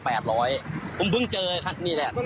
ผมเพิ่งเจอครับนี่แหละ